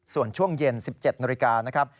ส่วนช่วงเย็น๑๗นนะครับ